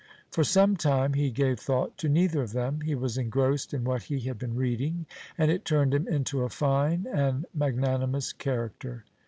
For some time he gave thought to neither of them; he was engrossed in what he had been reading, and it turned him into a fine and magnanimous character.